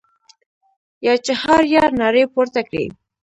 یا چهاریار نارې پورته کړې.